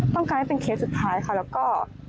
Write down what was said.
ต้องการให้เป็นเคสสุดท้ายค่ะแล้วก็